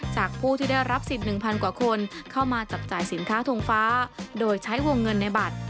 จากผู้ที่ได้รับสิทธิ์๑๐๐กว่าคนเข้ามาจับจ่ายสินค้าทงฟ้าโดยใช้วงเงินในบัตร